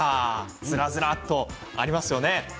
ずらずらっとありますよね。